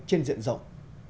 trên diện rộng